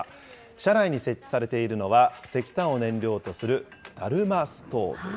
車内に設置されているのは石炭を燃料とするだるまストーブ。